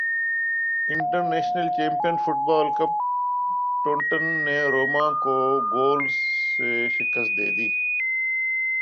international champion football cup Tottenham نے Roma کو گول سے شکست دے دی